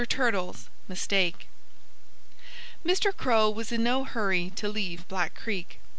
TURTLE'S MISTAKE Mr. Crow was in no hurry to leave Black Creek.